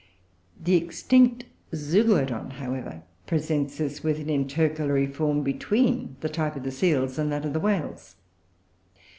The extinct Zeuglodon, however, presents us with an intercalary form between the type of the Seals and that of the Whales.